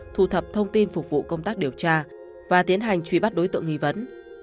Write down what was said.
thu thập thông tin phục vụ công tác điều tra và tiến hành truy bắt đối tượng nghi vấn